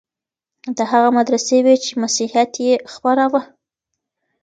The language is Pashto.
دا هغه مدرسې وې چي مسيحيت يې خپراوه.